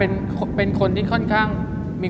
แขกเบอร์ใหญ่ของผมในวันนี้